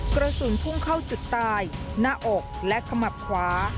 กระสุนพุ่งเข้าจุดตายหน้าอกและขมับขวา